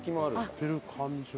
やってる感じは。